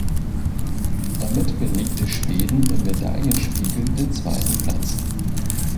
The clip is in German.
Damit belegte Schweden im Medaillenspiegel den zweiten Platz.